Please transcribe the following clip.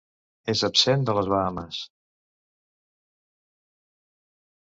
És absent de les Bahames.